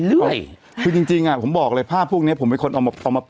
เรื่อยคือจริงจริงอ่ะผมบอกเลยภาพพวกเนี้ยผมเป็นคนเอามาเอามา